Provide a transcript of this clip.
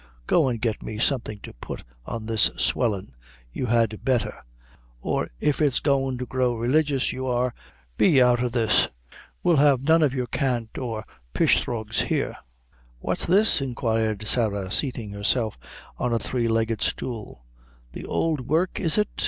Go an' get me somethin' to put to this swellin', you had betther; or if it's goin' to grow religious you are, be off out o' this; we'll have none of your cant or pishthrougues here." "What's this?" inquired Sarah, seating; herself on a three legged stool, "the ould work, is it?